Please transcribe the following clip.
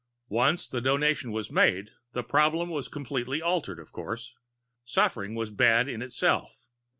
Once the Donation was made, the problem was completely altered, of course. Suffering was bad in itself.